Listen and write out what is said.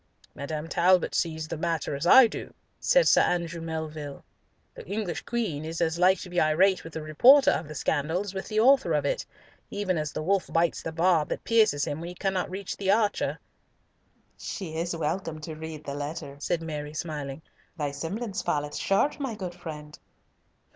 "Madame Talbot sees the matter as I do," said Sir Andrew Melville. "The English Queen is as like to be irate with the reporter of the scandal as with the author of it, even as the wolf bites the barb that pierces him when he cannot reach the archer." "She is welcome to read the letter," said Mary, smiling; "thy semblance falleth short, my good friend."